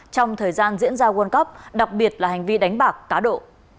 trong thời gian diễn ra world cup đặc biệt là hành vi đánh bạc cá độ